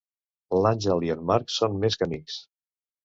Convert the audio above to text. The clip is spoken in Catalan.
L'Àngel i en Marc són més que amics.